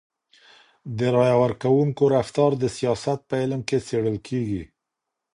د رایي ورکوونکو رفتار د سیاست په علم کي څېړل کیږي.